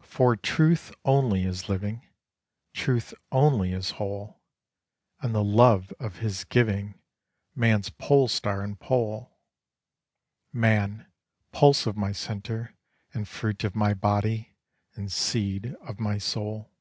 For truth only is living, Truth only is whole, And the love of his giving Man's polestar and pole; Man, pulse of my centre, and fruit of my body, and seed of my soul.